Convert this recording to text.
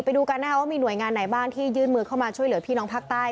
ไปดูกันนะคะว่ามีหน่วยงานไหนบ้างที่ยื่นมือเข้ามาช่วยเหลือพี่น้องภาคใต้